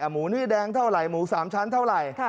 หมูนี่แดงเท่าไหร่หมู๓ชั้นเท่าไหร่